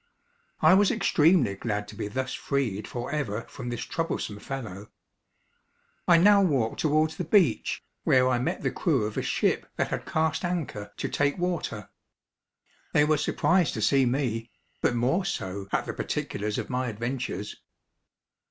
I was extremely glad to be thus freed for ever from this troublesome fellow. I now walked towards the beach, where I met the crew of a ship that had cast anchor, to take water. They were surprised to see me, but more so at the particulars of my adventures.